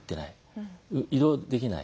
移動できない。